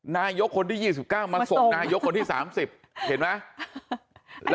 นายกคนที่๒๙มาส่งนายกคนที่๓๐เห็นไหม